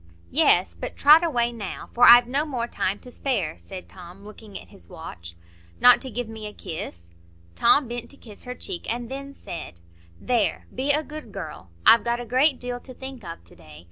"Yes; but trot away now, for I've no more time to spare," said Tom, looking at his watch. "Not to give me a kiss?" Tom bent to kiss her cheek, and then said,— "There! Be a good girl. I've got a great deal to think of to day.